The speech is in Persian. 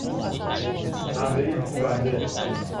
حملهی کوبنده